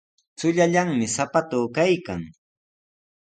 Chullallami sapatuu kaykan.